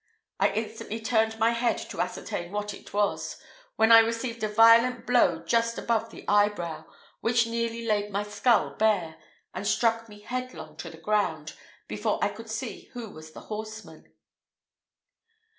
I instantly turned my head to ascertain what it was, when I received a violent blow just above the eyebrow, which nearly laid my skull bare, and struck me headlong to the ground, before I could see who was the horseman.